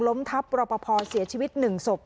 ล้มทัพประปภเสียชีวิตหนึ่งศพ